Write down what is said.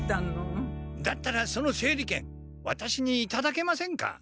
だったらその整理券ワタシにいただけませんか？